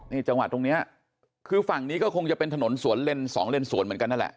นี่จังหวะตรงนี้คือฝั่งนี้ก็คงจะเป็นถนนสวนเล่นสองเลนสวนเหมือนกันนั่นแหละ